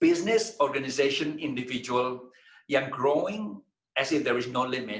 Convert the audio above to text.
bisnis organisasi dan individu yang berkembang seperti tidak ada limit